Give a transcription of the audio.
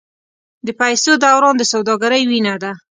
د پیسو دوران د سوداګرۍ وینه ده.